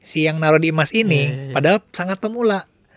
si yang naro di emas ini padahal sangat pemula